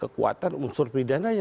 kekuatan unsur pidananya